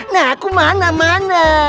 nah aku mana mana